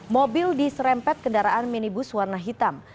mobil diserempet kendaraan minibus warna hitam